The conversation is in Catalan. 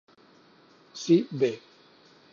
Si b